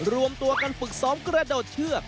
รวมตัวกันฝึกซ้อมกระโดดเชือก